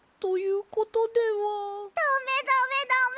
ダメダメダメ！